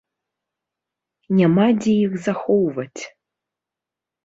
Няма дзе іх захоўваць.